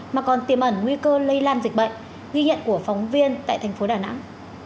mà còn tiềm ẩn nguy cơ lây lan dịch bệnh ghi nhận của phóng viên tại thành phố đà nẵng